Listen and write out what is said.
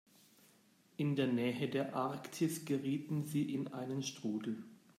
In der Nähe der Arktis gerieten sie in einen Strudel.